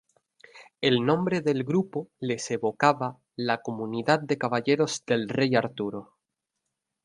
El nombre del grupo les evocaba la comunidad de caballeros del rey Arturo.